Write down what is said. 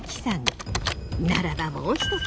ならばもう一つ